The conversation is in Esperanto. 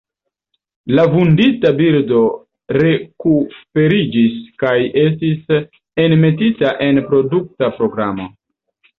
La vundita birdo rekuperiĝis kaj estis enmetita en reprodukta programo.